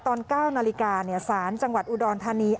ตอน๙นาฬิกาสารจังหวัดอุดรธานี